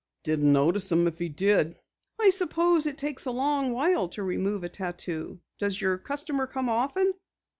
"Didn't notice 'em if he did." "I suppose it takes a long while to remove a tattoo. Does your customer come often?"